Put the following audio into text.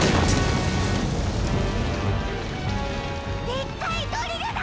でっかいドリルだ！